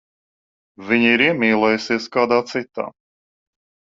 Viņa ir iemīlējusies kādā citā.